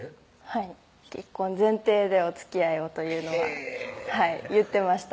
はい「結婚前提でおつきあいを」というのは言ってました